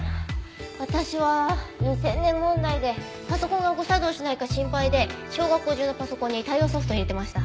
私は２０００年問題でパソコンが誤作動しないか心配で小学校中のパソコンに対応ソフト入れてました。